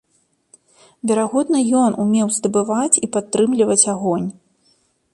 Верагодна ён умеў здабываць і падтрымліваць агонь.